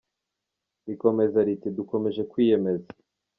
rikomeza riti Dukomeje kwiyemeza.